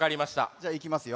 じゃあいきますよ。